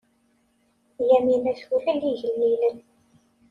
Yamina tulel igellilen.